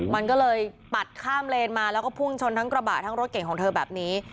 มันก็เลยปัดข้ามเลนมาแล้วก็พุ่งชนทั้งกระบะทั้งรถเก่งของเธอแบบนี้